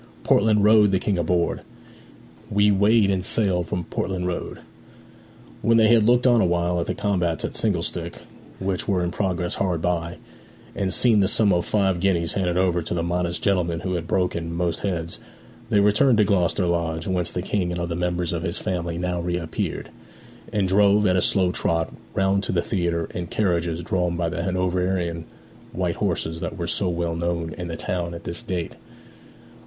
Portland Road the King aboard, We weighed and sailed from Portland Road!' When they had looked on awhile at the combats at single stick which were in progress hard by, and seen the sum of five guineas handed over to the modest gentleman who had broken most heads, they returned to Gloucester Lodge, whence the King and other members of his family now reappeared, and drove, at a slow trot, round to the theatre in carriages drawn by the Hanoverian white horses that were so well known in the town at this date.